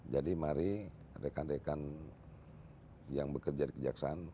jadi mari rekan rekan yang bekerja di kejaksaan